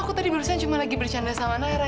aku tadi barusan lagi bercanda sama nara